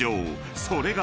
［それが］